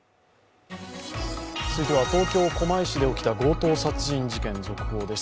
続いては東京・狛江市で起きた強盗殺人事件、続報です。